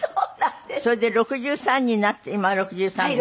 それで６３になって今６３よね？